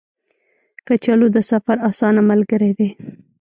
کچالو د سفر اسانه ملګری دی